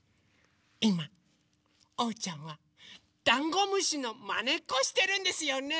いまおうちゃんはダンゴムシのまねっこしてるんですよね。